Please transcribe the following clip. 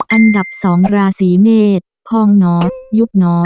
อันดับ๒ราศีเมฆพ่องหนอยุคหนอ